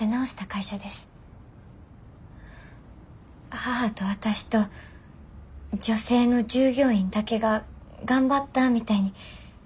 母と私と女性の従業員だけが頑張ったみたいに書いてあんのは。